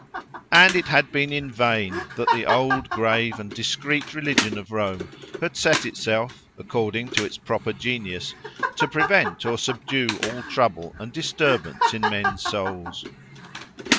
And it had been in vain that the old, grave and discreet religion of Rome had set itself, according to its proper genius, to prevent or subdue all trouble and disturbance in men's souls.